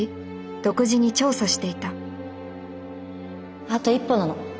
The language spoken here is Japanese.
独自に調査していたあと一歩なの。